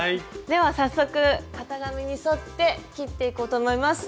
では早速型紙に沿って切っていこうと思います。